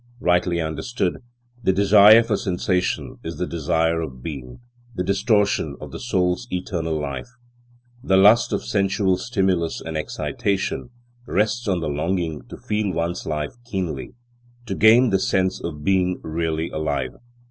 Rightly understood, the desire for sensation is the desire of being, the distortion of the soul's eternal life. The lust of sensual stimulus and excitation rests on the longing to feel one's life keenly, to gain the sense of being really alive.